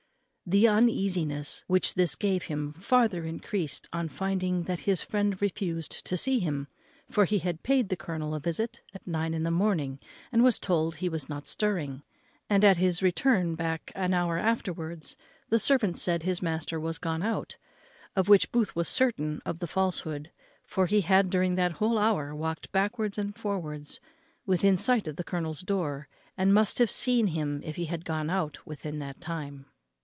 The uneasiness which this gave him farther encreased on finding that his friend refused to see him; for he had paid the colonel a visit at nine in the morning, and was told he was not stirring; and at his return back an hour afterwards the servant said his master was gone out, of which Booth was certain of the falsehood; for he had, during that whole hour, walked backwards and forwards within sight of the colonel's door, and must have seen him if he had gone out within that time.